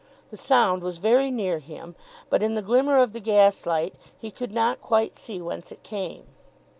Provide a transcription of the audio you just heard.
The sound was very near him, but in the glimmer of the gaslight he could not quite see whence it came.